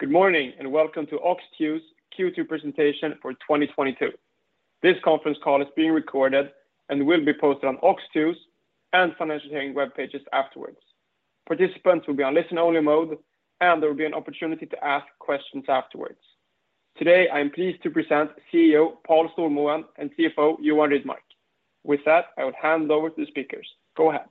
Good morning, and welcome to OX2's Q2 presentation for 2022. This conference call is being recorded and will be posted on OX2's and Financial Hearings webpages afterwards. Participants will be on listen only mode, and there will be an opportunity to ask questions afterwards. Today, I am pleased to present CEO Paul Stormoen and CFO Johan Rydmark. With that, I will hand over to the speakers. Go ahead.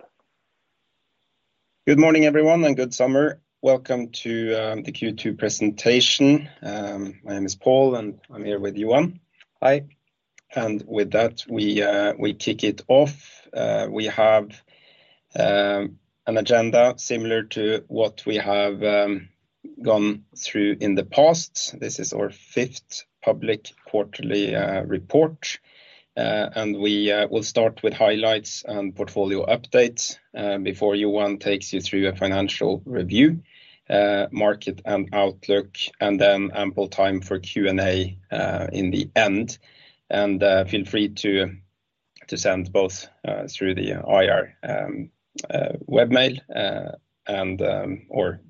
Good morning, everyone, and good summer. Welcome to the Q2 presentation. My name is Paul, and I'm here with Johan. Hi. With that, we kick it off. We have an agenda similar to what we have gone through in the past. This is our fifth public quarterly report. We will start with highlights and portfolio updates before Johan takes you through a financial review, market and outlook, and then ample time for Q&A in the end. Feel free to send both through the IR web mail and or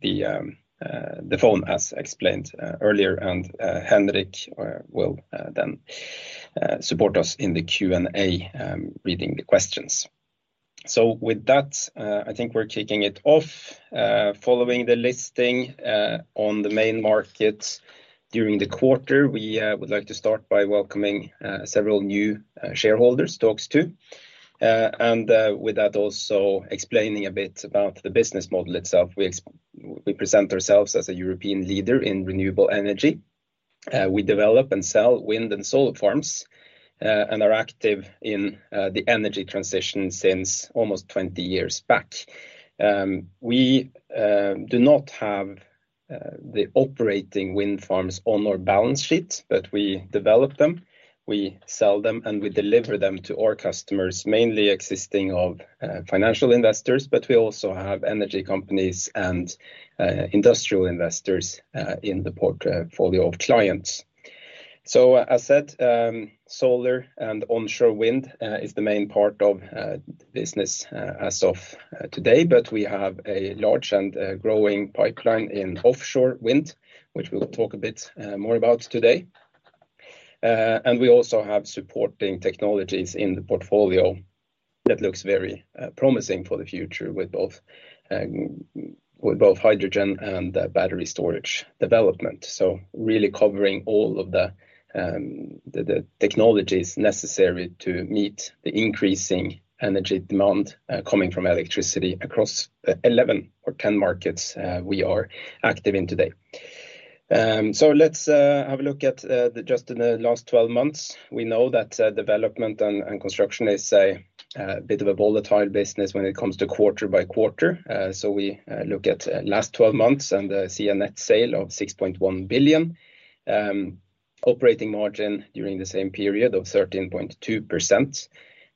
the phone as explained earlier. Henrik will then support us in the Q&A reading the questions. With that, I think we're kicking it off. Following the listing on the main market during the quarter, we would like to start by welcoming several new shareholders to OX2. With that, also explaining a bit about the business model itself. We present ourselves as a European leader in renewable energy. We develop and sell wind and solar farms and are active in the energy transition since almost 20 years back. We do not have the operating wind farms on our balance sheet, but we develop them, we sell them, and we deliver them to our customers, mainly consisting of financial investors, but we also have energy companies and industrial investors in the portfolio of clients. As said, solar and onshore wind is the main part of the business as of today. We have a large and growing pipeline in offshore wind, which we'll talk a bit more about today. We also have supporting technologies in the portfolio that looks very promising for the future with both hydrogen and the battery storage development. Really covering all of the technologies necessary to meet the increasing energy demand coming from electricity across 11 or 10 markets we are active in today. Let's have a look at just in the last 12 months. We know that development and construction is a bit of a volatile business when it comes to quarter by quarter. We look at last 12 months and see a net sale of 6.1 billion. Operating margin during the same period of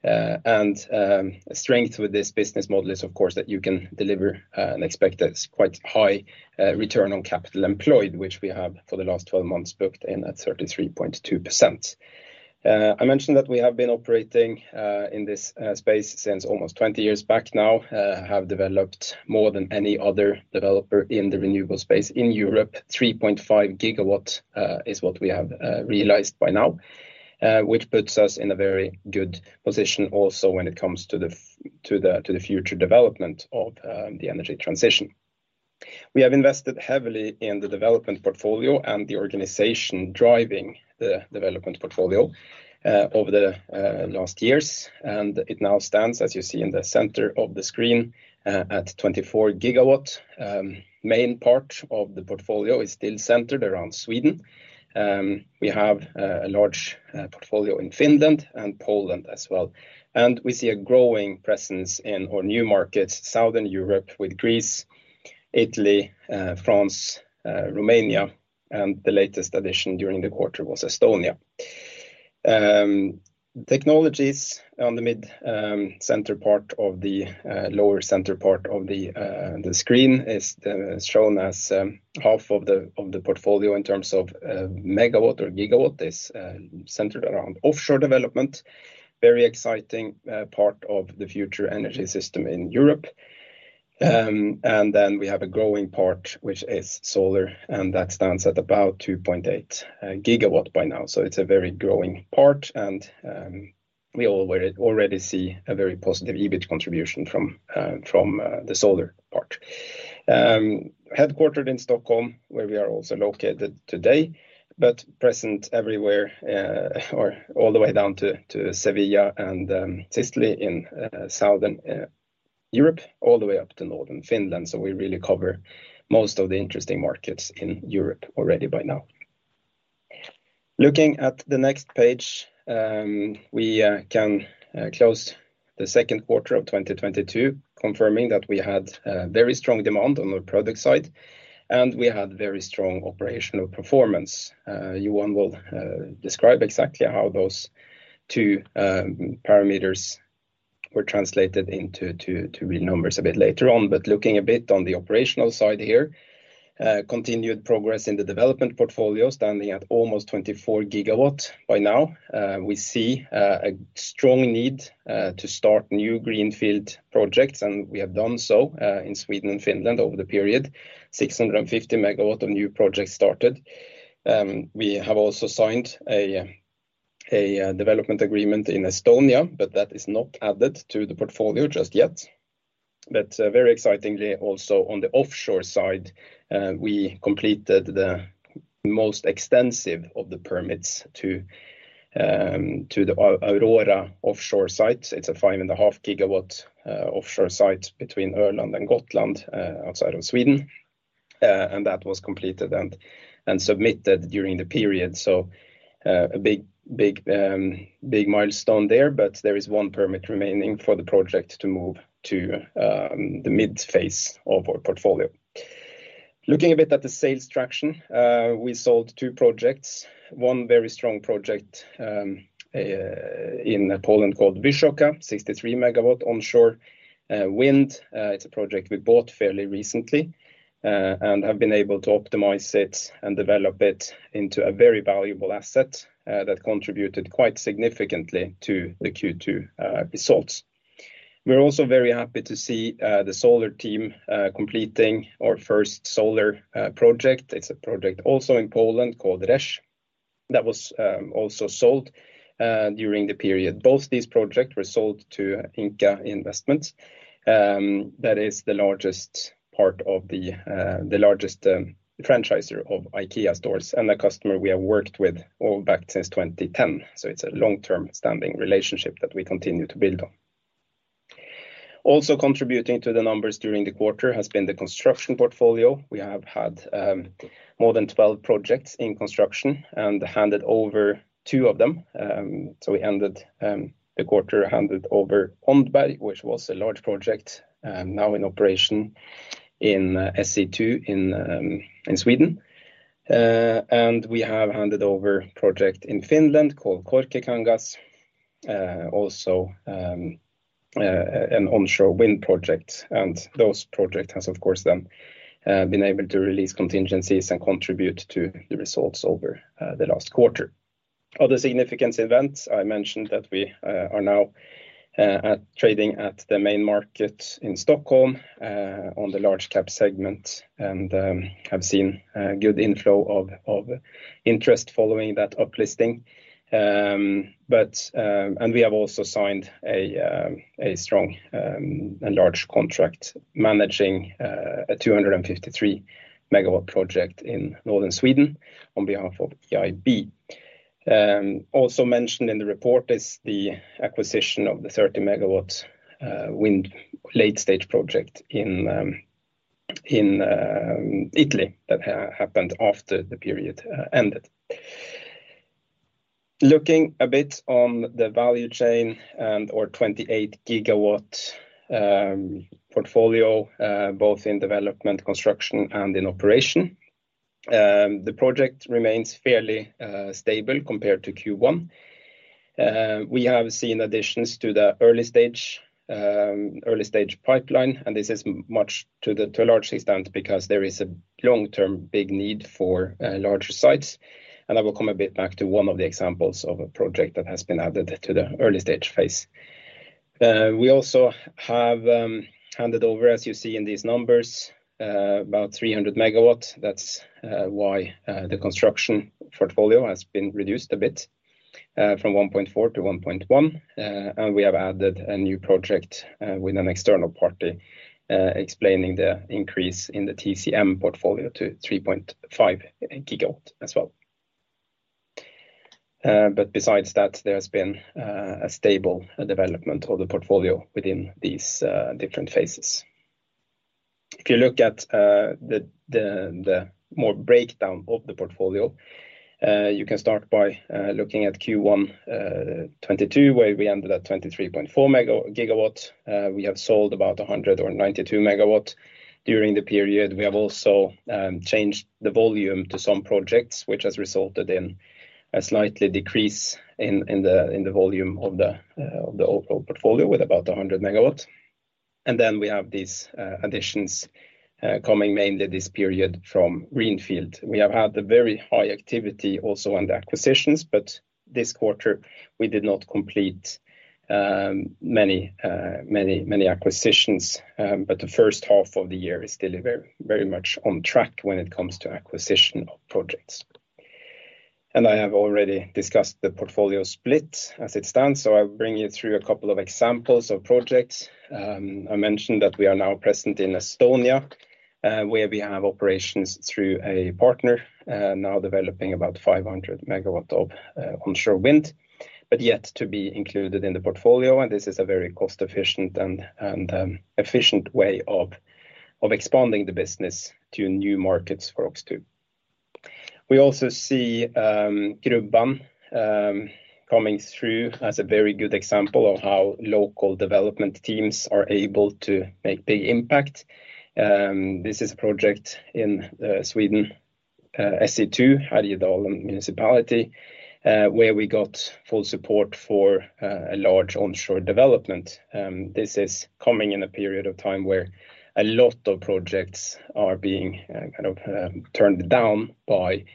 13.2%. Strength with this business model is, of course, that you can deliver and expect a quite high return on capital employed, which we have for the last 12 months booked in at 33.2%. I mentioned that we have been operating in this space since almost 20 years back now. Have developed more than any other developer in the renewable space in Europe. 3.5 GW is what we have realized by now, which puts us in a very good position also when it comes to the to the future development of the energy transition. We have invested heavily in the development portfolio and the organization driving the development portfolio, over the last years. It now stands, as you see in the center of the screen, at 24 GW. Main part of the portfolio is still centered around Sweden. We have a large portfolio in Finland and Poland as well. We see a growing presence in our new markets, southern Europe with Greece, Italy, France, Romania, and the latest addition during the quarter was Estonia. Technologies on the mid center part of the lower center part of the screen is shown as half of the portfolio in terms of megawatt or gigawatt is centered around offshore development. Very exciting part of the future energy system in Europe. We have a growing part, which is solar, and that stands at about 2.8 GW by now. It's a very growing part, and we already see a very positive EBIT contribution from the solar part. Headquartered in Stockholm, where we are also located today, but present everywhere, or all the way down to Sevilla and Sicily in southern Europe, all the way up to northern Finland. We really cover most of the interesting markets in Europe already by now. Looking at the next page, we can close the second quarter of 2022, confirming that we had very strong demand on the product side, and we had very strong operational performance. Johan will describe exactly how those two parameters were translated into real numbers a bit later on. Looking a bit on the operational side here, continued progress in the development portfolio, standing at almost 24 GW by now. We see a strong need to start new greenfield projects, and we have done so in Sweden and Finland over the period. 650 MW of new projects started. We have also signed a development agreement in Estonia, but that is not added to the portfolio just yet. Very excitingly also on the offshore side, we completed the most extensive permitting for the Aurora offshore site. It's a 5.5 GW offshore site between Öland and Gotland outside of Sweden. That was completed and submitted during the period. A big milestone there, but there is one permit remaining for the project to move to the mid-phase of our portfolio. Looking a bit at the sales traction, we sold two projects. One very strong project in Poland called Wysoka, 63-MW onshore wind. It's a project we bought fairly recently and have been able to optimize it and develop it into a very valuable asset that contributed quite significantly to the Q2 results. We're also very happy to see the solar team completing our first solar project. It's a project also in Poland called Rzeszów that was also sold during the period. Both these projects were sold to Ingka Investments, that is the largest franchisor of IKEA stores and a customer we have worked with all back since 2010. It's a long-term standing relationship that we continue to build on. Also contributing to the numbers during the quarter has been the construction portfolio. We have had more than 12 projects in construction and handed over two of them. We ended the quarter handed over Åndberg, which was a large project, now in operation in SE2 in Sweden. We have handed over project in Finland called Korkeakangas, also an onshore wind project. Those project has, of course, then been able to release contingencies and contribute to the results over the last quarter. Other significant events, I mentioned that we are now trading at the main market in Stockholm on the large cap segment and have seen good inflow of interest following that uplisting. We have also signed a strong and large contract managing a 253-MW project in northern Sweden on behalf of EIP. Also mentioned in the report is the acquisition of the 30-MW wind late-stage project in Italy that happened after the period ended. Looking a bit on the value chain and our 28-GW portfolio both in development, construction, and in operation, the project remains fairly stable compared to Q1. We have seen additions to the early stage pipeline, and this is much to a large extent because there is a long-term big need for larger sites. I will come a bit back to one of the examples of a project that has been added to the early stage phase. We also have handed over, as you see in these numbers, about 300 MW. That's why the construction portfolio has been reduced a bit, from 1.4-1.1. We have added a new project with an external party, explaining the increase in the T&CM portfolio to 3.5 GW as well. Besides that, there's been a stable development of the portfolio within these different phases. If you look at the more breakdown of the portfolio, you can start by looking at Q1 2022, where we ended at 23.4 GW. We have sold about 100 or 92 MW during the period. We have also changed the volume to some projects, which has resulted in a slight decrease in the volume of the overall portfolio with about 100 MW. We have these additions coming mainly this period from greenfield. We have had a very high activity also on the acquisitions, but this quarter we did not complete many acquisitions. The first half of the year is still very much on track when it comes to acquisition of projects. I have already discussed the portfolio split as it stands, so I'll bring you through a couple of examples of projects. I mentioned that we are now present in Estonia, where we have operations through a partner, now developing about 500 MW of onshore wind, but yet to be included in the portfolio. This is a very cost-efficient and efficient way of expanding the business to new markets for OX2. We also see Grubban coming through as a very good example of how local development teams are able to make big impact. This is a project in Sweden, SE2, Härjedalen Municipality, where we got full support for a large onshore development. This is coming in a period of time where a lot of projects are being kind of turned down by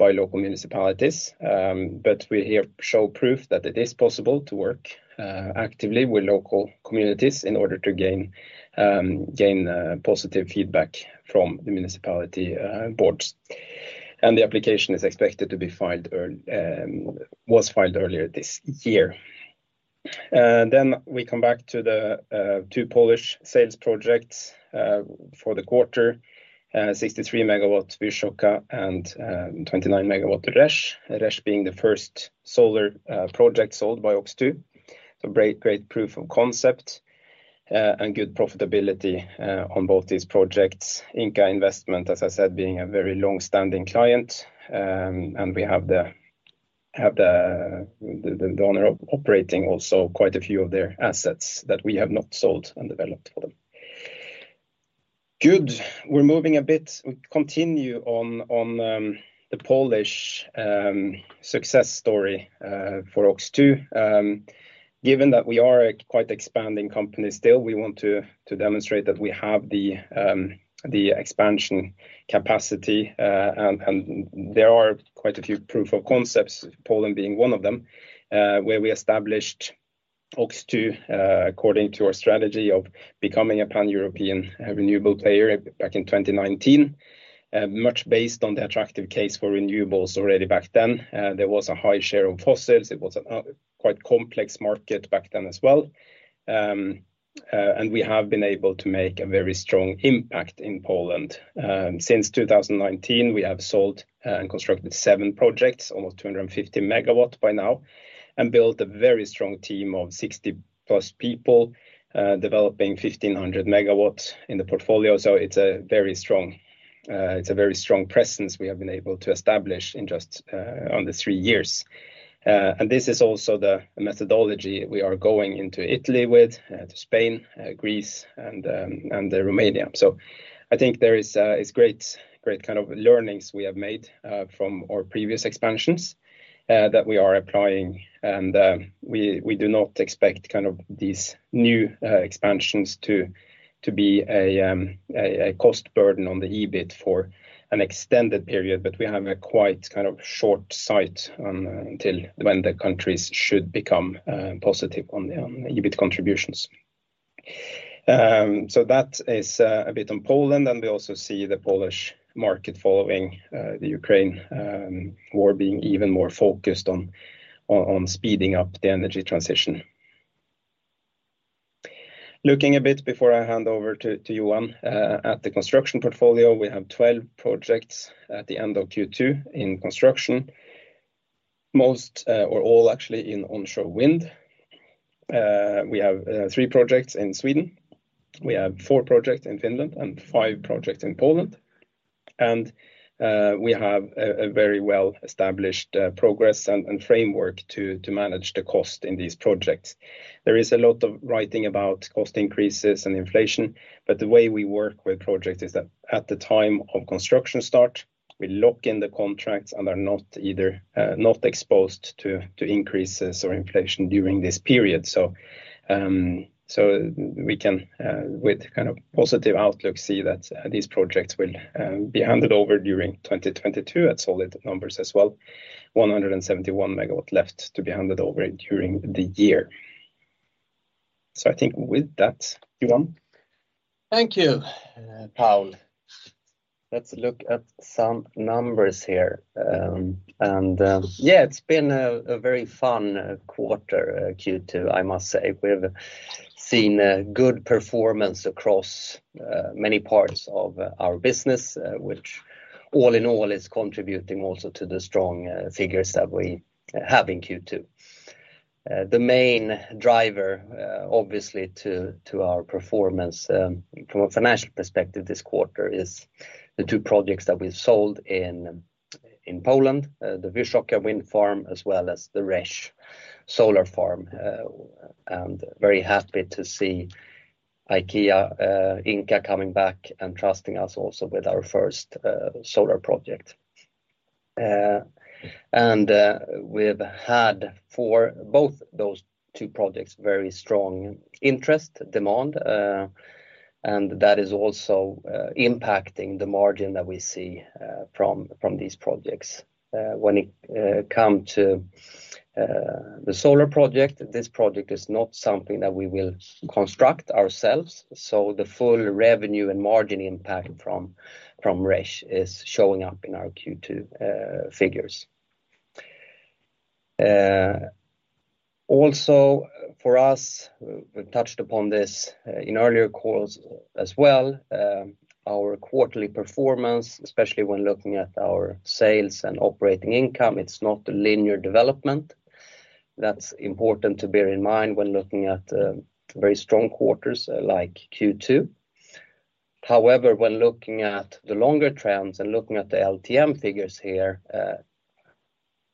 local municipalities. We here show proof that it is possible to work actively with local communities in order to gain positive feedback from the municipality boards. The application was filed earlier this year. We come back to the two Polish sales projects for the quarter, 63-MW Wysoka and 29-MW Rzeszów. Rzeszów being the first solar project sold by OX2. Great proof of concept and good profitability on both these projects. Ingka Investments, as I said, being a very long-standing client, and we have the owner operating also quite a few of their assets that we have not sold and developed for them. Good. We're moving a bit. We continue on the Polish success story for OX2. Given that we are a quite expanding company still, we want to demonstrate that we have the expansion capacity. There are quite a few proofs of concept, Poland being one of them, where we established OX2 according to our strategy of becoming a pan-European renewable player back in 2019. Much based on the attractive case for renewables already back then. There was a high share of fossils. It was a quite complex market back then as well. We have been able to make a very strong impact in Poland. Since 2019, we have sold and constructed seven projects, almost 250 MW by now, and built a very strong team of 60+ people developing 1,500 MW in the portfolio. It's a very strong presence we have been able to establish in just under three years. This is also the methodology we are going into Italy with, to Spain, Greece, and Romania. I think there is great kind of learnings we have made from our previous expansions that we are applying. We do not expect kind of these new expansions to be a cost burden on the EBIT for an extended period. We have a quite kind of short sight until when the countries should become positive on the EBIT contributions. That is a bit on Poland. We also see the Polish market following the Ukraine war being even more focused on speeding up the energy transition. Looking a bit before I hand over to Johan at the construction portfolio. We have 12 projects at the end of Q2 in construction. Most or all actually in onshore wind. We have three projects in Sweden, we have four projects in Finland, and five projects in Poland. We have a very well-established process and framework to manage the cost in these projects. There is a lot of writing about cost increases and inflation, but the way we work with projects is that at the time of construction start, we lock in the contracts and are not exposed to increases or inflation during this period. We can with kind of positive outlook see that these projects will be handed over during 2022 at solid numbers as well. 171 MW left to be handed over during the year. I think with that, Johan. Thank you, Paul. Let's look at some numbers here. It's been a very fun quarter, Q2, I must say. We've seen a good performance across many parts of our business, which all in all is contributing also to the strong figures that we have in Q2. The main driver obviously to our performance from a financial perspective this quarter is the two projects that we sold in Poland, the Wysoka Wind Farm as well as the Rzeszów Solar Farm. Very happy to see IKEA, Ingka coming back and trusting us also with our first solar project. We've had for both those two projects very strong interest demand, and that is also impacting the margin that we see from these projects. When it comes to the solar project, this project is not something that we will construct ourselves, so the full revenue and margin impact from Rzeszów is showing up in our Q2 figures. Also for us, we've touched upon this in earlier calls as well, our quarterly performance, especially when looking at our sales and operating income, it's not a linear development. That's important to bear in mind when looking at very strong quarters like Q2. However, when looking at the longer trends and looking at the LTM figures here,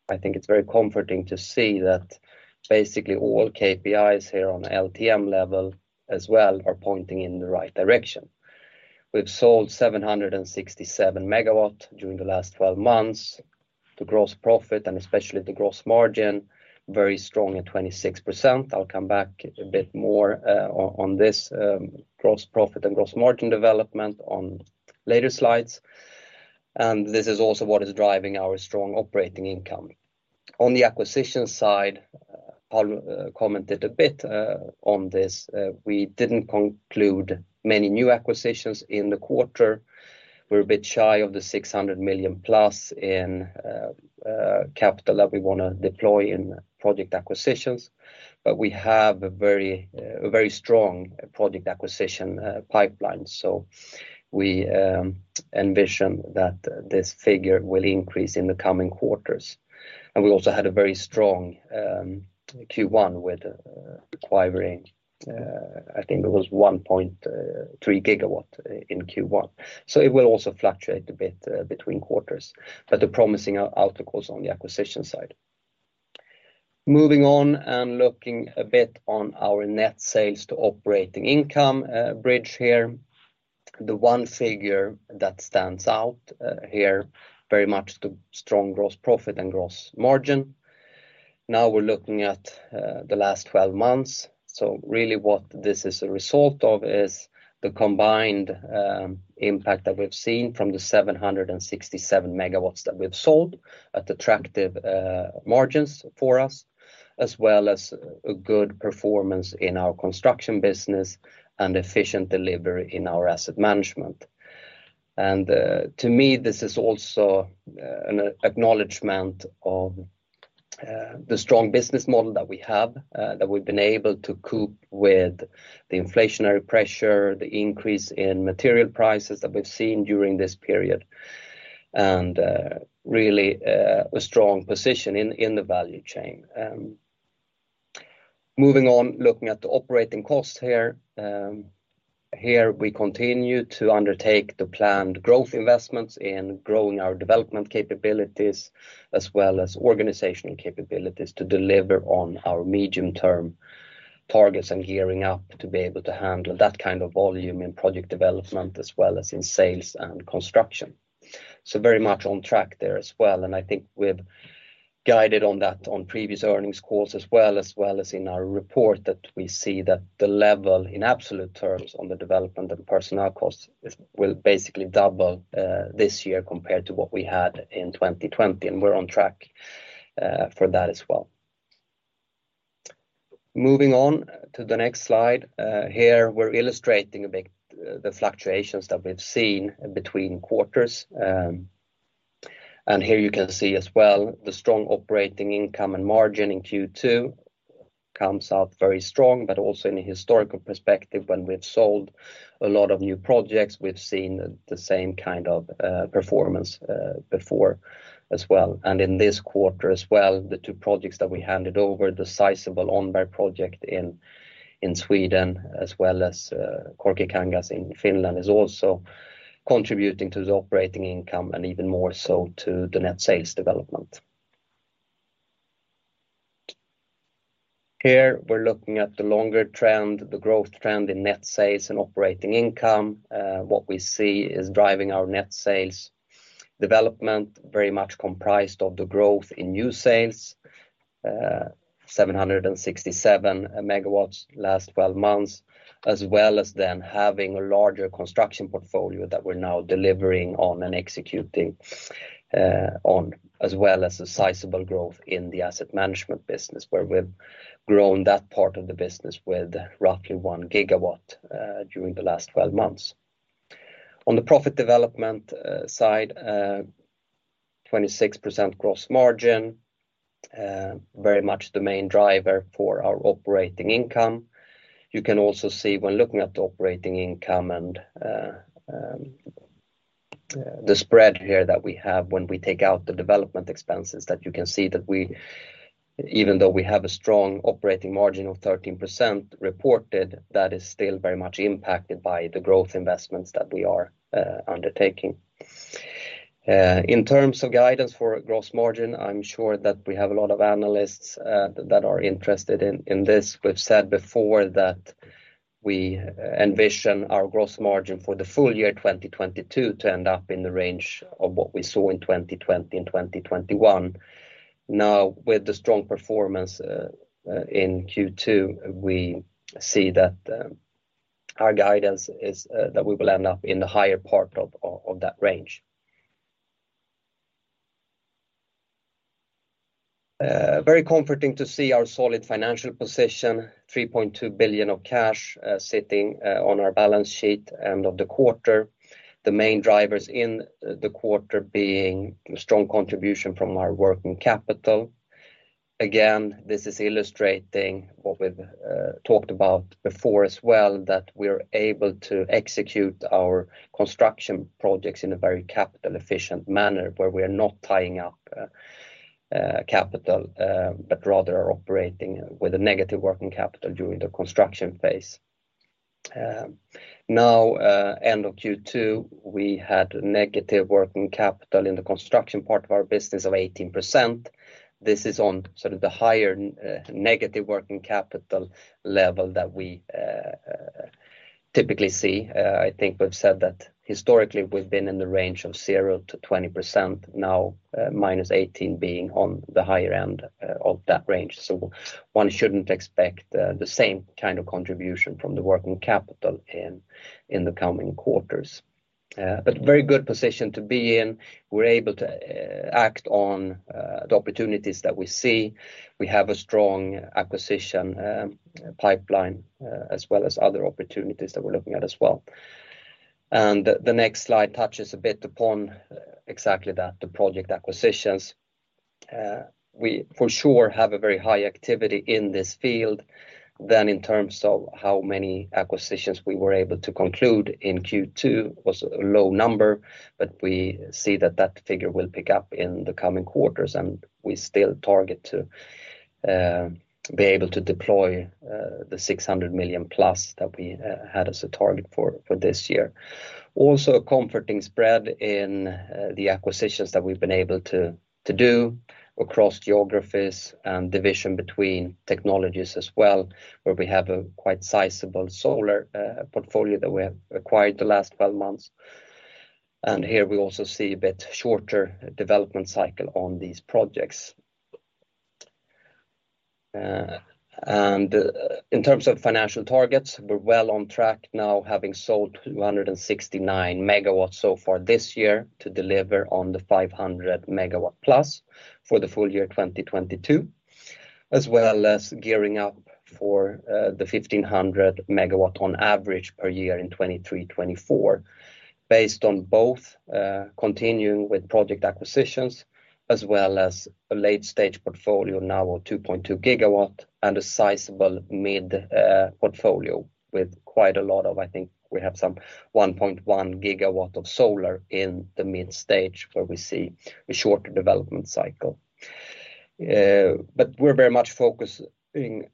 I think it's very comforting to see that basically all KPIs here on LTM level as well are pointing in the right direction. We've sold 767 MW during the last 12 months. The gross profit and especially the gross margin, very strong at 26%. I'll come back a bit more on this gross profit and gross margin development on later slides. This is also what is driving our strong operating income. On the acquisition side, Paul commented a bit on this. We didn't conclude many new acquisitions in the quarter. We're a bit shy of the 600 million-plus in capital that we wanna deploy in project acquisitions. We have a very strong project acquisition pipeline. We envision that this figure will increase in the coming quarters. We also had a very strong Q1 with acquiring, I think it was 1.3 GW in Q1. It will also fluctuate a bit between quarters, but a promising outcome on the acquisition side. Moving on and looking a bit on our net sales to operating income bridge here. The one figure that stands out here very much the strong gross profit and gross margin. Now we're looking at the last 12 months. Really what this is a result of is the combined impact that we've seen from the 767 MW that we've sold at attractive margins for us, as well as a good performance in our construction business and efficient delivery in our asset management. To me, this is also an acknowledgement of the strong business model that we have that we've been able to cope with the inflationary pressure, the increase in material prices that we've seen during this period, and really a strong position in the value chain. Moving on, looking at the operating costs here. Here we continue to undertake the planned growth investments in growing our development capabilities, as well as organizational capabilities to deliver on our medium-term targets and gearing up to be able to handle that kind of volume in project development as well as in sales and construction. Very much on track there as well, and I think we've guided on that on previous earnings calls as well, as well as in our report that we see that the level in absolute terms on the development and personnel costs will basically double this year compared to what we had in 2020, and we're on track for that as well. Moving on to the next slide. Here we're illustrating a bit the fluctuations that we've seen between quarters. Here you can see as well the strong operating income and margin in Q2 comes out very strong, but also in a historical perspective, when we've sold a lot of new projects, we've seen the same kind of performance before as well. In this quarter as well, the two projects that we handed over, the sizable Åndberg project in Sweden, as well as Korkeakangas in Finland, is also contributing to the operating income and even more so to the net sales development. Here we're looking at the longer trend, the growth trend in net sales and operating income. What we see is driving our net sales development very much comprised of the growth in new sales, 767 MW last 12 months, as well as then having a larger construction portfolio that we're now delivering on and executing on, as well as a sizable growth in the asset management business, where we've grown that part of the business with roughly 1 GW during the last 12 months. On the profit development side, 26% gross margin, very much the main driver for our operating income. You can also see when looking at the operating income and the spread here that we have when we take out the development expenses that you can see that we, even though we have a strong operating margin of 13% reported, that is still very much impacted by the growth investments that we are undertaking. In terms of guidance for gross margin, I'm sure that we have a lot of analysts that are interested in this. We've said before that we envision our gross margin for the full-year 2022 to end up in the range of what we saw in 2020 and 2021. Now, with the strong performance in Q2, we see that our guidance is that we will end up in the higher part of that range. Very comforting to see our solid financial position, 3.2 billion of cash sitting on our balance sheet end of the quarter. The main drivers in the quarter being strong contribution from our working capital. Again, this is illustrating what we've talked about before as well, that we're able to execute our construction projects in a very capital-efficient manner where we're not tying up capital, but rather operating with a negative working capital during the construction phase. Now, end of Q2, we had negative working capital in the construction part of our business of 18%. This is on sort of the higher negative working capital level that we typically see. I think we've said that historically we've been in the range of 0%-20% now, -18% being on the higher end of that range. One shouldn't expect the same kind of contribution from the working capital in the coming quarters. Very good position to be in. We're able to act on the opportunities that we see. We have a strong acquisition pipeline as well as other opportunities that we're looking at as well. The next slide touches a bit upon exactly that, the project acquisitions. We for sure have a very high activity in this field than in terms of how many acquisitions we were able to conclude in Q2 was a low number, but we see that figure will pick up in the coming quarters, and we still target to be able to deploy the 600 million-plus that we had as a target for this year. Also, a comforting spread in the acquisitions that we've been able to do across geographies and division between technologies as well, where we have a quite sizable solar portfolio that we have acquired the last 12 months. Here we also see a bit shorter development cycle on these projects. In terms of financial targets, we're well on track now, having sold 269 MW so far this year to deliver on the 500 MW+ for the full-year 2022, as well as gearing up for the 1,500 MW on average per year in 2023, 2024. Based on both continuing with project acquisitions, as well as a late-stage portfolio now of 2.2 GW and a sizable mid-stage portfolio with quite a lot of I think we have some 1.1 GW of solar in the mid stage where we see a shorter development cycle. We're very much focusing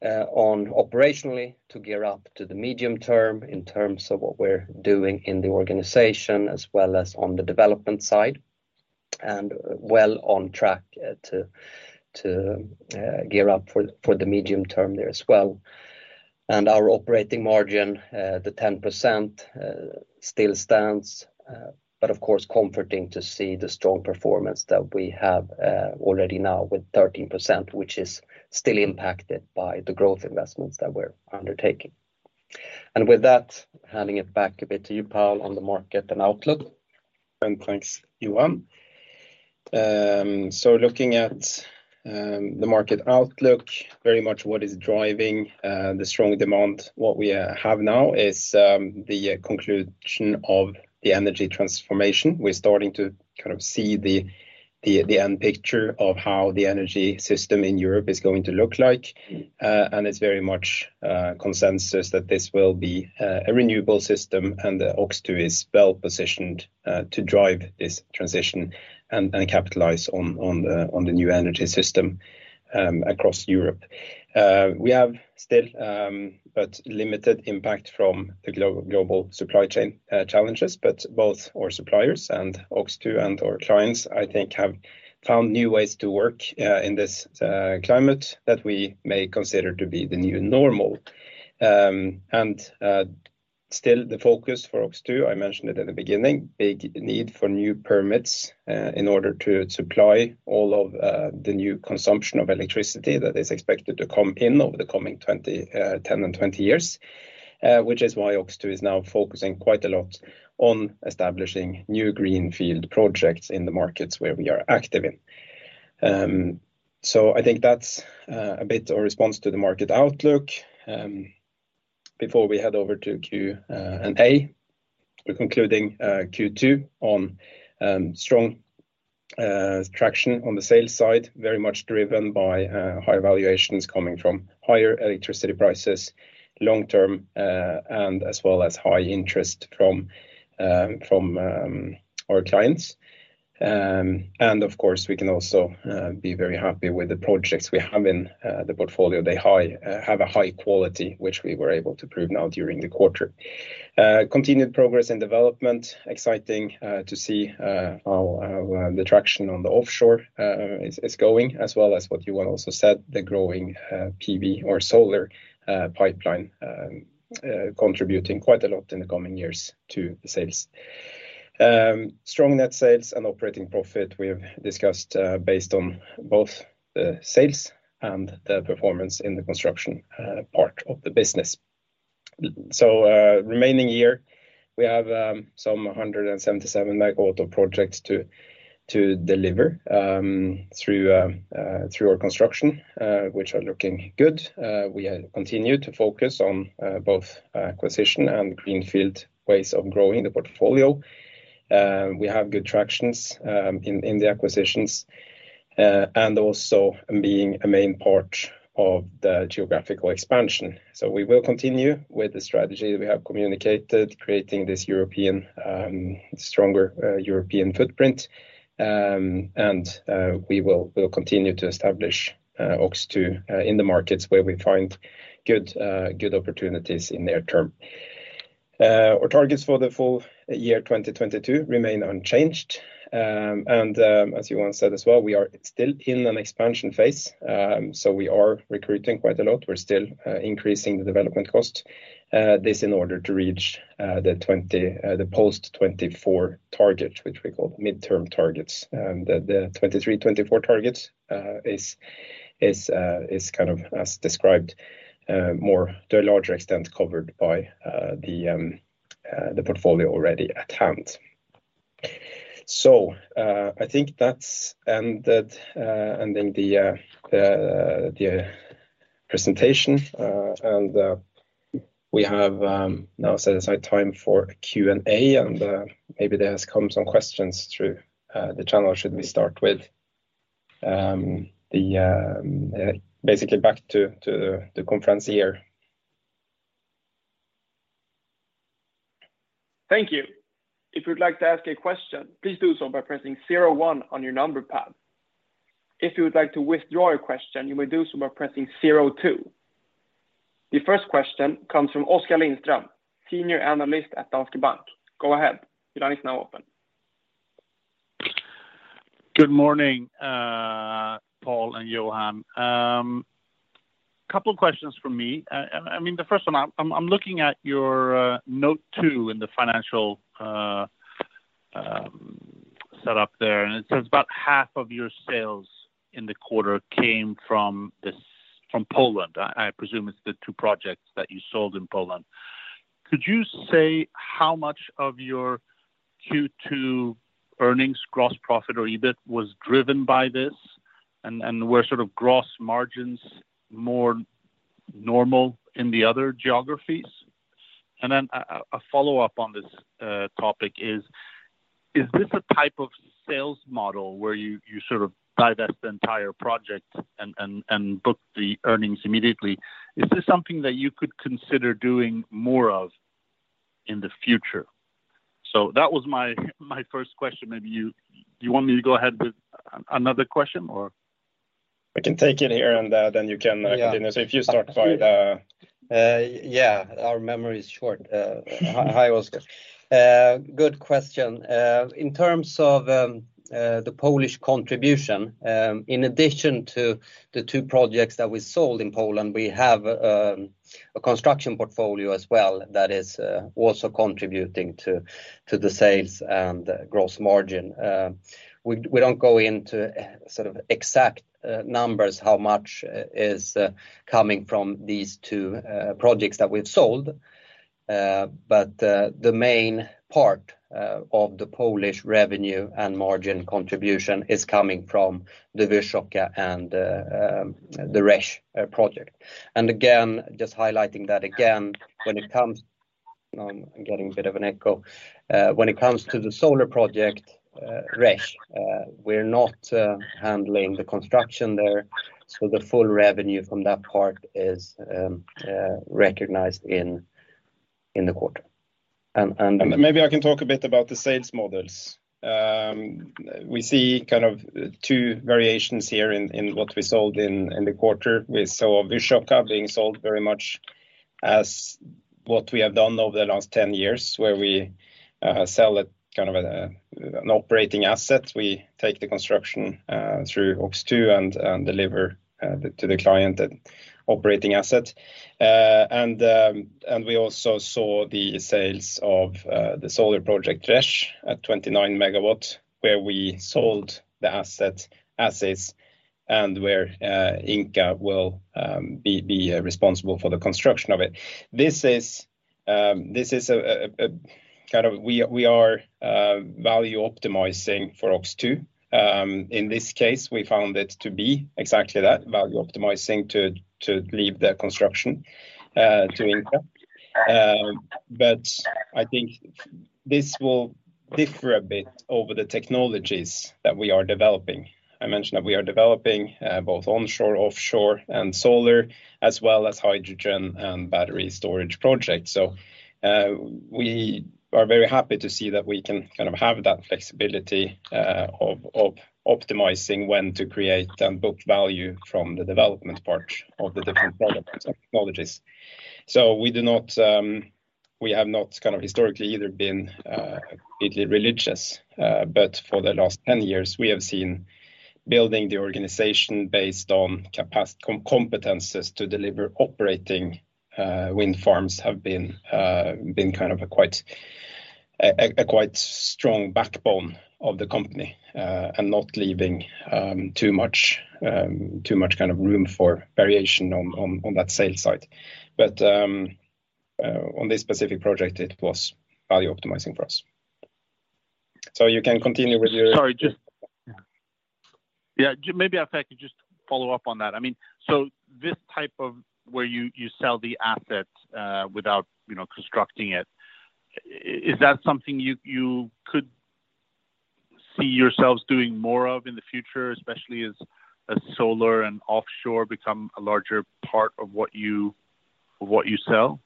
on operationally to gear up to the medium term in terms of what we're doing in the organization as well as on the development side, and well on track to gear up for the medium term there as well. Our operating margin, the 10%, still stands, but of course comforting to see the strong performance that we have already now with 13%, which is still impacted by the growth investments that we're undertaking. With that, handing it back a bit to you, Paul, on the market and outlook. Thanks, Johan. Looking at the market outlook, very much what is driving the strong demand. What we have now is the conclusion of the energy transformation. We're starting to kind of see the end picture of how the energy system in Europe is going to look like. It's very much consensus that this will be a renewable system and that OX2 is well positioned to drive this transition and capitalize on the new energy system across Europe. We have still but limited impact from the global supply chain challenges, but both our suppliers and OX2 and our clients, I think, have found new ways to work in this climate that we may consider to be the new normal. Still the focus for OX2. I mentioned it at the beginning. Big need for new permits in order to supply all of the new consumption of electricity that is expected to come in over the coming 10 and 20 years, which is why OX2 is now focusing quite a lot on establishing new greenfield projects in the markets where we are active in. I think that's a bit our response to the market outlook before we head over to Q&A. We're concluding Q2 on strong traction on the sales side, very much driven by high valuations coming from higher electricity prices long term, and as well as high interest from our clients. Of course, we can also be very happy with the projects we have in the portfolio. They have a high quality, which we were able to prove now during the quarter. Continued progress and development, exciting to see how the traction on the offshore is going, as well as what Johan also said, the growing PV or solar pipeline contributing quite a lot in the coming years to the sales. Strong net sales and operating profit we have discussed, based on both the sales and the performance in the construction part of the business. Remaining year, we have some 177 MW of projects to deliver through our construction, which are looking good. We continue to focus on both acquisition and greenfield ways of growing the portfolio. We have good traction in the acquisitions and also being a main part of the geographical expansion. We will continue with the strategy that we have communicated, creating this European stronger European footprint. We will continue to establish OX2 in the markets where we find good opportunities in near term. Our targets for the full-year 2022 remain unchanged. As Johan said as well, we are still in an expansion phase, we are recruiting quite a lot. We're still increasing the development cost. This in order to reach the post-2024 target, which we call midterm targets. The 2023-2024 targets is kind of as described, more to a larger extent covered by the portfolio already at hand. I think that's ending the presentation. We have now set aside time for Q&A and maybe there has come some questions through the channel should we start with. Basically back to the conference here. Thank you. If you'd like to ask a question, please do so by pressing zero one on your number pad. If you would like to withdraw your question, you may do so by pressing zero two. The first question comes from Oskar Lindström, Senior Analyst at Danske Bank. Go ahead. Your line is now open. Good morning, Paul and Johan. Couple of questions from me. I mean, the first one I'm looking at your Note 2 in the financial setup there, and it says about half of your sales in the quarter came from this, from Poland. I presume it's the two projects that you sold in Poland. Could you say how much of your Q2 earnings, gross profit, or EBIT was driven by this and were sort of gross margins more normal in the other geographies? A follow-up on this topic is this a type of sales model where you sort of divest the entire project and book the earnings immediately? Is this something that you could consider doing more of in the future? That was my first question. Do you want me to go ahead with another question or? We can take it here and then you can continue. Yeah. If you start by the Yeah, our memory is short. Hi, Oskar. Good question. In terms of the Polish contribution, in addition to the two projects that we sold in Poland, we have a construction portfolio as well that is also contributing to the sales and gross margin. We don't go into sort of exact numbers how much is coming from these two projects that we've sold. The main part of the Polish revenue and margin contribution is coming from the Wysoka and the Rzeszów project. Again, just highlighting that again, when it comes. I'm getting a bit of an echo. When it comes to the solar project, Rzeszów, we're not handling the construction there, so the full revenue from that part is recognized in the quarter. Maybe I can talk a bit about the sales models. We see kind of two variations here in what we sold in the quarter. We saw Wysoka being sold very much as what we have done over the last 10 years, where we sell a kind of an operating asset. We take the construction through OX2 and deliver to the client an operating asset. We also saw the sales of the solar project Rzeszów at 29 MW, where we sold the asset as is and where Ingka will be responsible for the construction of it. This is a kind of we are value optimizing for OX2. In this case, we found it to be exactly that, value optimizing to leave the construction to Ingka. I think this will differ a bit over the technologies that we are developing. I mentioned that we are developing both onshore, offshore, and solar, as well as hydrogen and battery storage projects. We are very happy to see that we can kind of have that flexibility of optimizing when to create and book value from the development part of the different products and technologies. We do not, we have not kind of historically either been completely religious, but for the last 10 years, we have seen building the organization based on competencies to deliver operating wind farms have been a quite strong backbone of the company, and not leaving too much kind of room for variation on that sales side. On this specific project, it was value optimizing for us. You can continue with your Maybe if I could just follow up on that. I mean, this type, where you sell the asset without, you know, constructing it, is that something you could see yourselves doing more of in the future, especially as solar and offshore become a larger part of what you sell?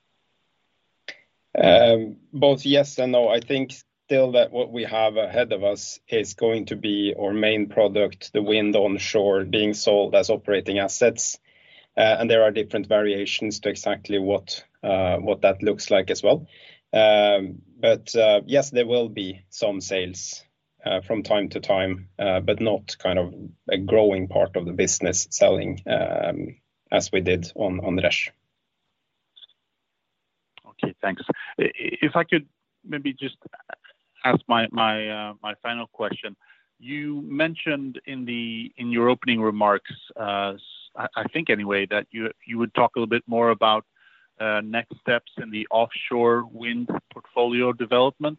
Both yes and no. I think still that what we have ahead of us is going to be our main product, the wind onshore being sold as operating assets. There are different variations to exactly what that looks like as well. Yes, there will be some sales from time to time, but not kind of a growing part of the business selling as we did on Rzeszów. Okay, thanks. If I could maybe just ask my final question. You mentioned in your opening remarks, I think anyway, that you would talk a little bit more about next steps in the offshore wind portfolio development.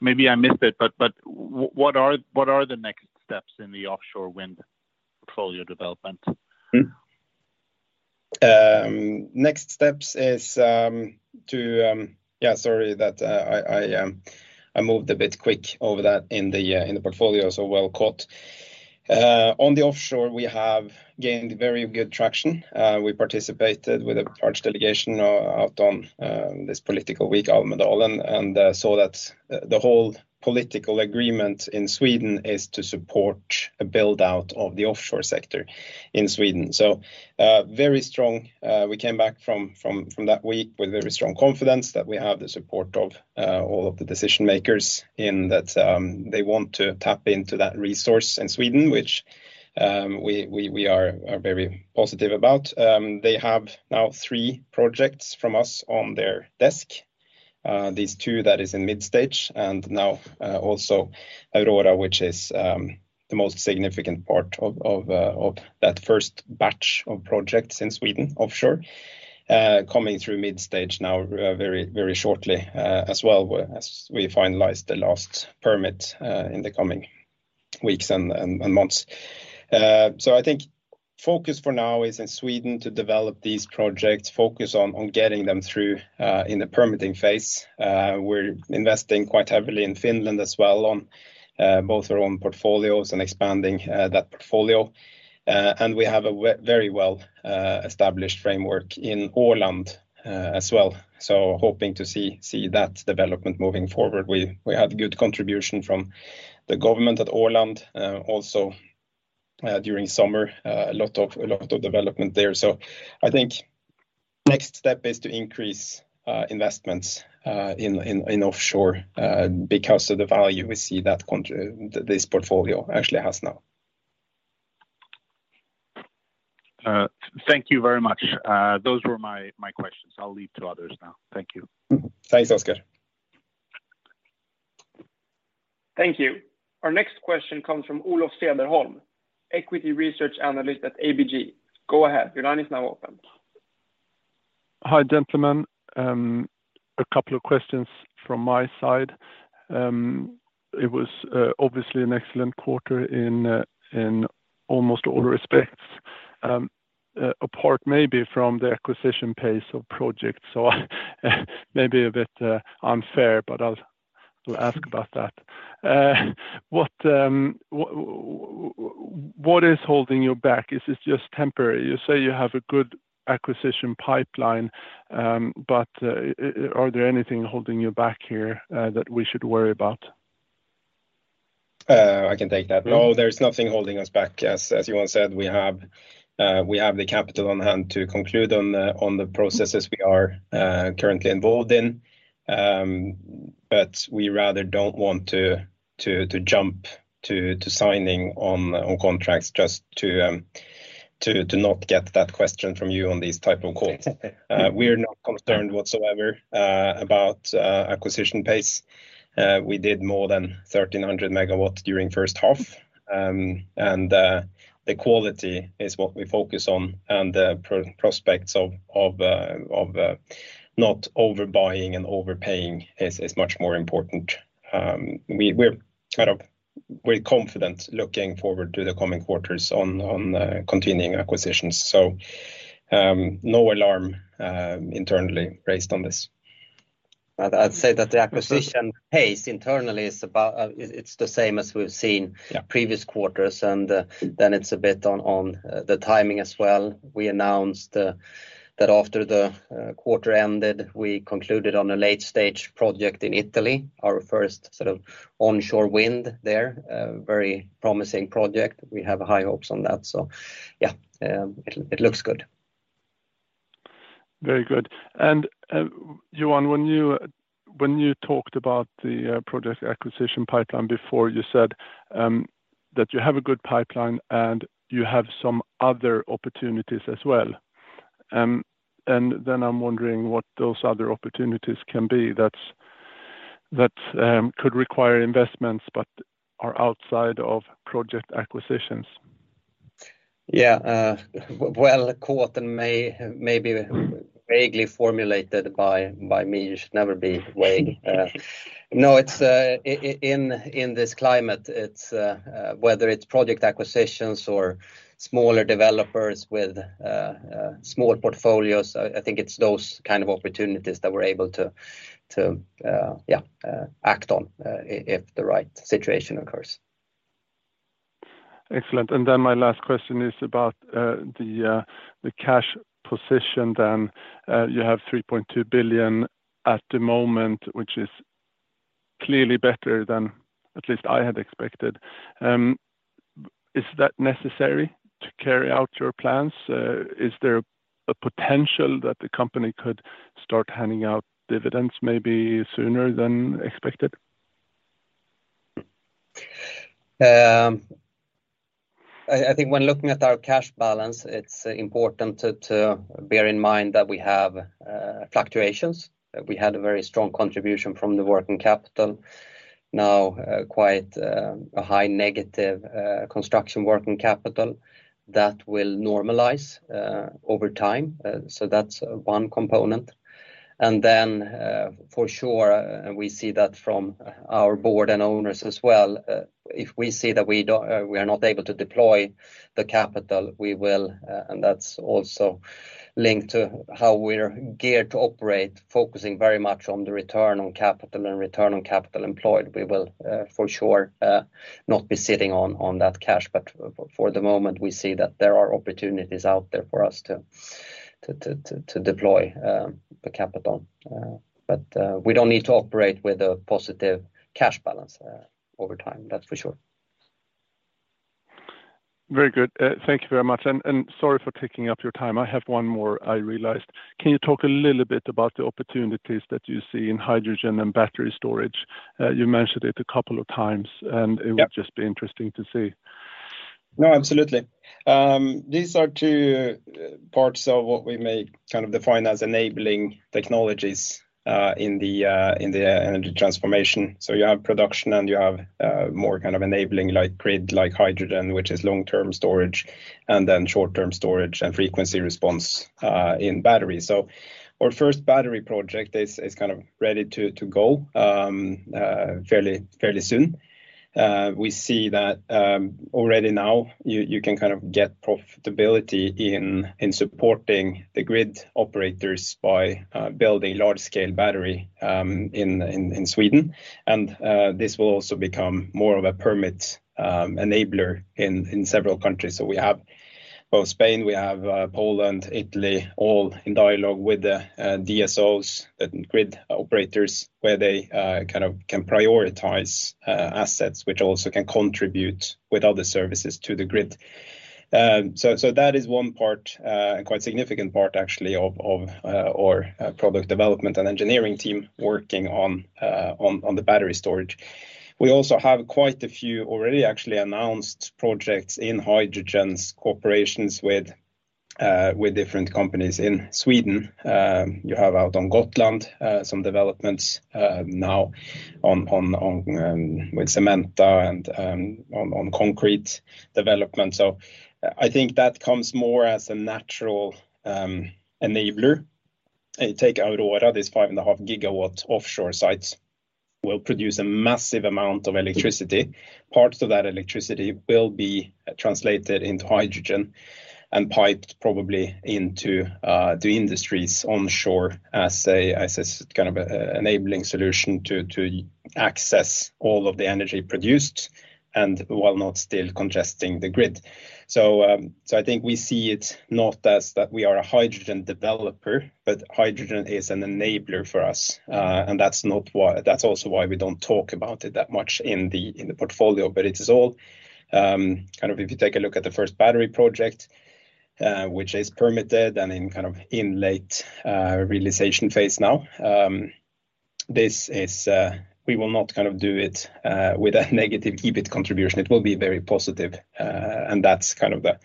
Maybe I missed it, but what are the next steps in the offshore wind portfolio development? Next steps is. Yeah, sorry that I moved a bit quick over that in the portfolio, so well caught. On the offshore, we have gained very good traction. We participated with a large delegation out on this political week, Almedalen, and saw that the whole political agreement in Sweden is to support a build-out of the offshore sector in Sweden. Very strong. We came back from that week with very strong confidence that we have the support of all of the decision makers in that they want to tap into that resource in Sweden, which we are very positive about. They have now three projects from us on their desk. These two that is in mid stage and now also Aurora, which is the most significant part of that first batch of projects in Sweden offshore, coming through mid stage now very shortly, as well as we finalize the last permit in the coming weeks and months. I think focus for now is in Sweden to develop these projects, focus on getting them through in the permitting phase. We're investing quite heavily in Finland as well on both our own portfolios and expanding that portfolio. We have very well established framework in Åland as well. Hoping to see that development moving forward. We had good contribution from the government at Åland also during summer. A lot of development there. I think next step is to increase investments in offshore because of the value we see that this portfolio actually has now. Thank you very much. Those were my questions. I'll leave to others now. Thank you. Thanks, Oscar. Thank you. Our next question comes from Olof Cederholm, Equity Research Analyst at ABG. Go ahead. Your line is now open. Hi, gentlemen. A couple of questions from my side. It was obviously an excellent quarter in almost all respects, apart maybe from the acquisition pace of projects. Maybe a bit unfair, but I'll still ask about that. What is holding you back? Is this just temporary? You say you have a good acquisition pipeline, but are there anything holding you back here that we should worry about? I can take that. No, there's nothing holding us back. As Johan said, we have the capital on hand to conclude on the processes we are currently involved in. But we rather don't want to jump to signing on contracts just to not get that question from you on these type of calls. We're not concerned whatsoever about acquisition pace. We did more than 1,300 MW during first half. The quality is what we focus on and the prospects of not overbuying and overpaying is much more important. We're kind of confident looking forward to the coming quarters on continuing acquisitions. No alarm internally raised on this. I'd say that the acquisition pace internally is about. It's the same as we've seen. Yeah Previous quarters. Then it's a bit on the timing as well. We announced that after the quarter ended, we concluded on a late-stage project in Italy, our first sort of onshore wind there, a very promising project. We have high hopes on that. Yeah, it looks good. Very good. Johan, when you talked about the project acquisition pipeline before, you said that you have a good pipeline and you have some other opportunities as well. I'm wondering what those other opportunities can be that could require investments but are outside of project acquisitions. Yeah. Well caught, and maybe vaguely formulated by me. You should never be vague. No, it's whether it's project acquisitions or smaller developers with small portfolios. I think it's those kind of opportunities that we're able to act on if the right situation occurs. Excellent. My last question is about the cash position then. You have 3.2 billion at the moment, which is clearly better than at least I had expected. Is that necessary to carry out your plans? Is there a potential that the company could start handing out dividends maybe sooner than expected? I think when looking at our cash balance, it's important to bear in mind that we have fluctuations. That we had a very strong contribution from the working capital. Now, quite a high negative construction working capital that will normalize over time. That's one component. For sure, we see that from our board and owners as well, we are not able to deploy the capital, we will, and that's also linked to how we're geared to operate, focusing very much on the return on capital and return on capital employed. We will for sure not be sitting on that cash. For the moment, we see that there are opportunities out there for us to deploy the capital. We don't need to operate with a positive cash balance over time. That's for sure. Very good. Thank you very much. Sorry for taking up your time. I have one more I realized. Can you talk a little bit about the opportunities that you see in hydrogen and battery storage? You mentioned it a couple of times, and Yeah It would just be interesting to see. No, absolutely. These are two parts of what we may kind of define as enabling technologies in the energy transformation. You have production and you have more kind of enabling like grid, like hydrogen, which is long-term storage, and then short-term storage and frequency response in battery. Our first battery project is kind of ready to go fairly soon. We see that already now you can kind of get profitability in supporting the grid operators by building large scale battery in Sweden. This will also become more of a permit enabler in several countries. We have Spain, Poland, Italy, all in dialogue with the DSOs, the grid operators, where they kind of can prioritize assets which also can contribute with other services to the grid. That is one part, quite significant part actually of our product development and engineering team working on the battery storage. We also have quite a few already actually announced projects in hydrogen, cooperations with different companies in Sweden. You have out on Gotland some developments now on with Cementa and on concrete development. I think that comes more as a natural enabler. Take Aurora, this 5.5-GW offshore sites will produce a massive amount of electricity. Parts of that electricity will be translated into hydrogen and piped probably into the industries onshore as a kind of enabling solution to access all of the energy produced and while not still congesting the grid. I think we see it not as that we are a hydrogen developer, but hydrogen is an enabler for us. That's not why. That's also why we don't talk about it that much in the portfolio. It is all kind of if you take a look at the first battery project, which is permitted and in kind of late realization phase now, this is we will not kind of do it with a negative EBIT contribution. It will be very positive. That's kind of the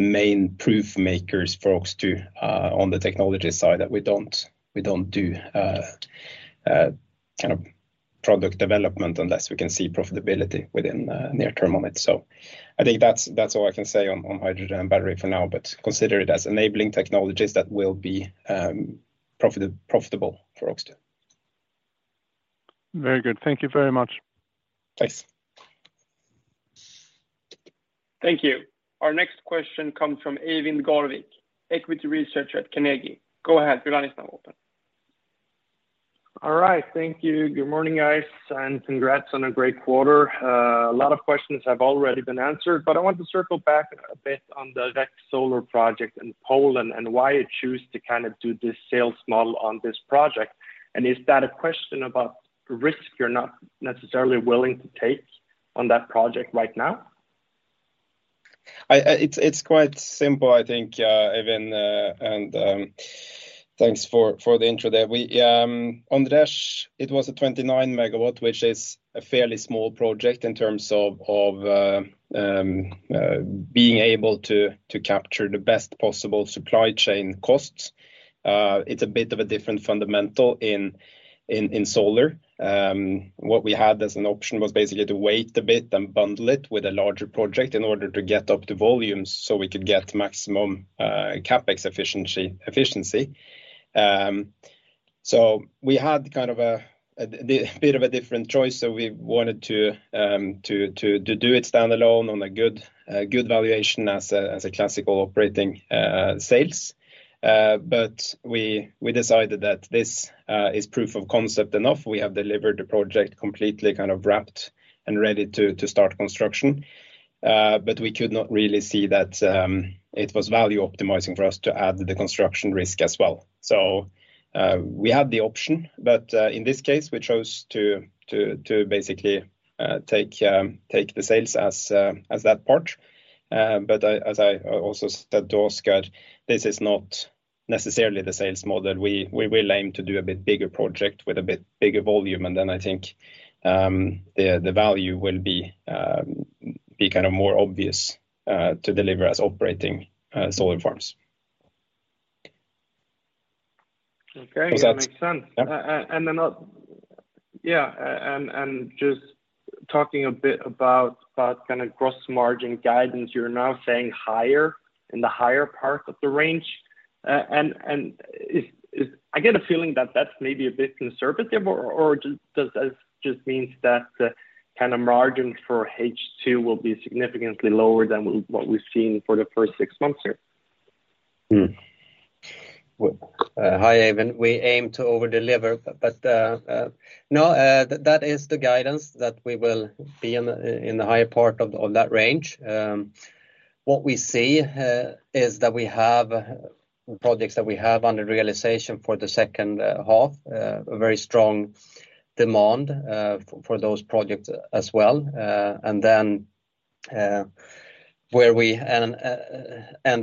main proof makers for OX2 on the technology side that we don't do kind of product development unless we can see profitability within a near-term of it. I think that's all I can say on hydrogen and battery for now, but consider it as enabling technologies that will be profitable for OX2. Very good. Thank you very much. Thanks. Thank you. Our next question comes from Eivind Garvik, Equity Researcher at Carnegie. Go ahead. The line is now open. All right. Thank you. Good morning, guys, and congrats on a great quarter. A lot of questions have already been answered, but I want to circle back a bit on the Rzeszów solar project in Poland and why you choose to kind of do this sales model on this project. Is that a question about risk you're not necessarily willing to take on that project right now? It's quite simple, I think, Eivind, and thanks for the intro there. We, on the rest, it was a 29 MW, which is a fairly small project in terms of being able to capture the best possible supply chain costs. It's a bit of a different fundamental in solar. What we had as an option was basically to wait a bit, then bundle it with a larger project in order to get up the volumes so we could get maximum CapEx efficiency. We had kind of a bit of a different choice. We wanted to do it standalone on a good valuation as a classical operating sales. We decided that this is proof of concept enough. We have delivered the project completely kind of wrapped and ready to start construction. We could not really see that it was value optimizing for us to add the construction risk as well. We had the option, but in this case, we chose to basically take the sales as that part. As I also said to Oskar, this is not necessarily the sales model. We will aim to do a bit bigger project with a bit bigger volume and then I think the value will be kind of more obvious to deliver as operating solar farms. Okay. Was that That makes sense. Yeah. Just talking a bit about kinda gross margin guidance, you're now saying higher, in the higher part of the range. I get a feeling that that's maybe a bit conservative or does that just means that kind of margins for H2 will be significantly lower than what we've seen for the first six months here? Mm. Well, hi, Eivind. We aim to over-deliver, but no, that is the guidance that we will be in the higher part of that range. What we see is that we have projects that we have under realization for the second half, a very strong demand for those projects as well. Then, where we end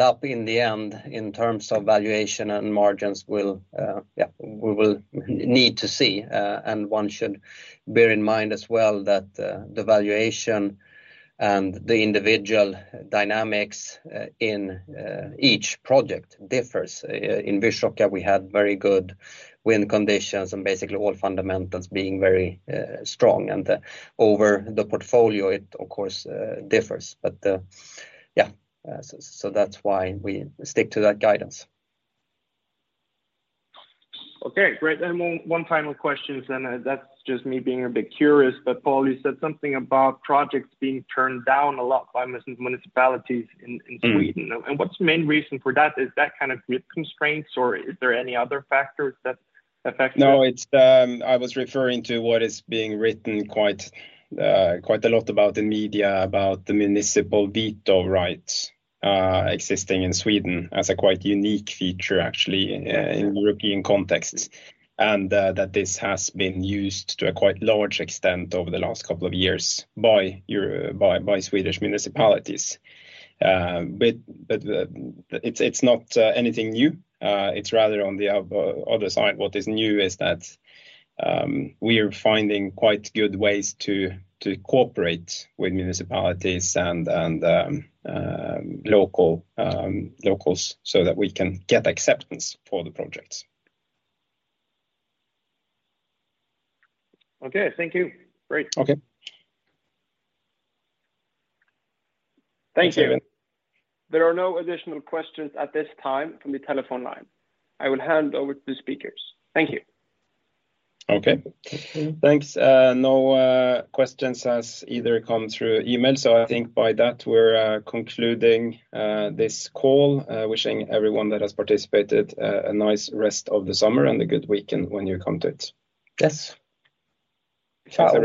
up in the end in terms of valuation and margins will, yeah, we will need to see. One should bear in mind as well that the valuation and the individual dynamics in each project differs. In Wysoka we had very good wind conditions and basically all fundamentals being very strong. Over the portfolio it of course differs. Yeah, so that's why we stick to that guidance. Okay, great. One final question then, that's just me being a bit curious. But Paul, you said something about projects being turned down a lot by municipalities in Sweden. Mm. What's the main reason for that? Is that kind of grid constraints or is there any other factors that affect that? No, it's I was referring to what is being written quite a lot about in media about the municipal veto rights existing in Sweden as a quite unique feature actually in European contexts. That this has been used to a quite large extent over the last couple of years by Swedish municipalities. It's not anything new. It's rather on the other side, what is new is that we are finding quite good ways to cooperate with municipalities and local locals so that we can get acceptance for the projects. Okay. Thank you. Great. Okay. Thank you. Thanks, Eivind. There are no additional questions at this time from the telephone line. I will hand over to the speakers. Thank you. Okay. Mm-hmm. Thanks. No questions have either come through email, so I think by that we're concluding this call, wishing everyone that has participated a nice rest of the summer and a good weekend when you come to it. Yes. Ciao. Thank you.